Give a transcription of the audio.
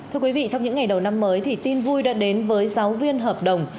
thưa quý vị trong những ngày đầu năm mới thì tin vui đã đến với giáo viên hợp đồng